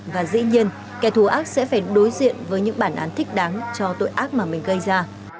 và dĩ nhiên kẻ thù ác sẽ phải đối diện với những bản án thích đáng cho tội ác mà mình gây ra